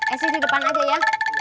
eh sini depan aja ya